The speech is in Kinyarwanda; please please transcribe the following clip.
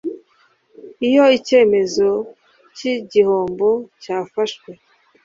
iyo icyemezo cy’igihombo cyafashwe